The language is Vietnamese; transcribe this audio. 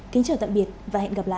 kính chào tạm biệt và hẹn gặp lại